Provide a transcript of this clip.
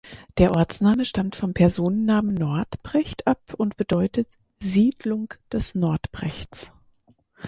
Der Ortsname stammt vom Personennamen "Nortbrecht" ab und bedeutet "Siedlung des Nortbrechts".